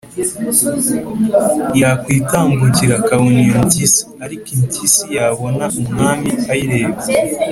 yakwitambukira akabona iyo mpyisi, ariko impyisi yabona umwami ayirebye,